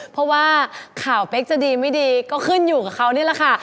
เพราะว่าข่าวเป๊กจะดีไม่ดีก็ขึ้นอยู่กับเขานี่แหละค่ะ